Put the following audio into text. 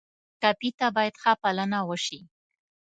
ټپي ته باید ښه پالنه وشي.